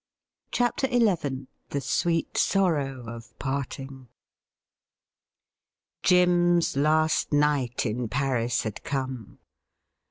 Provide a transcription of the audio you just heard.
CHAPTER XL THE SWEET SORROW OF PARTING. Jim's last night in Paris had come.